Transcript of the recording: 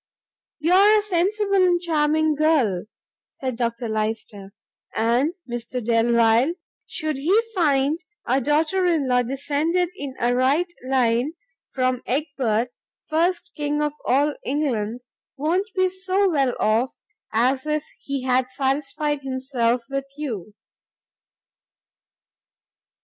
"You are a sensible and charming girl," said Dr Lyster, "and Mr Delvile, should he find a daughter in law descended in a right line from Egbert, first king of all England, won't be so well off as if he had satisfied himself with you.